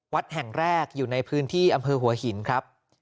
วัดแห่งแรกอยู่ในพื้นที่อำเภอหัวหินครับ